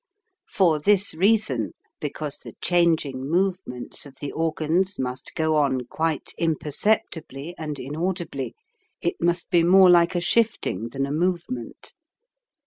For this reason, because the changing move ments of the organs must go on quite im perceptibly and inaudibly, it must be more like a shifting than a movement.